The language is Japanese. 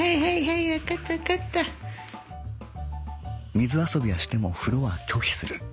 「水遊びはしても風呂は拒否する」。